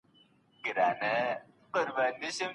مدیتیشن د ذهن د ارامښت لپاره اړین دی.